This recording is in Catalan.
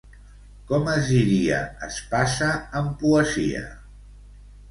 Com es diria espasa en poesia?